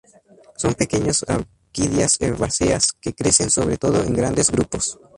Son pequeñas orquídeas herbáceas que crecen sobre todo en grandes grupos.